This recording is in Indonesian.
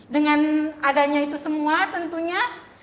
dengan adanya itu semua tentunya